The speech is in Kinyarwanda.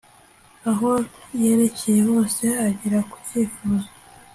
aho yerekeye hose, agera ku cyo yifuza